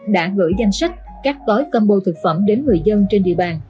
đã gửi danh sách các gói combo thực phẩm đến người dân trên địa bàn